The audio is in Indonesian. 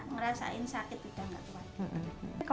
ngerasain sakit udah nggak kuat